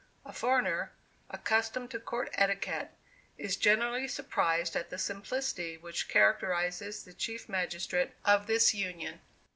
A foreigner, accustomed to court etiquette, is generally surprised at the simplicity which characterizes the Chief Magistrate of this Union.